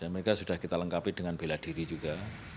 mereka sudah kita lengkapi dengan bela diri juga